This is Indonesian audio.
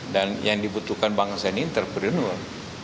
dan yang dibutuhkan bangsa ini entrepreneur